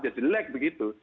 dia jelek begitu